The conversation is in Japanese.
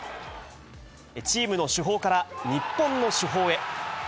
チームの主砲から日本の主砲へ。